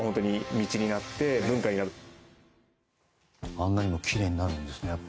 あんなにきれいになるんですね。